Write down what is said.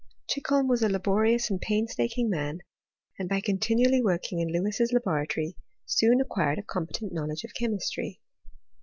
Chicholm was a laborious and painstaking man, and by continually working in Lewis's laboratory, soon acquired a competent knowledge of chemistry.